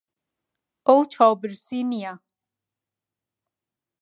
ئەو چاوبرسی نییە.